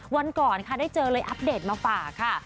วันก่อนค่ะได้เจอเลยอัปเดตมาฝากค่ะ